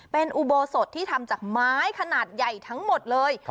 เป็นอุโบสถที่ทำจากไม้ขนาดใหญ่ทั้งหมดเลย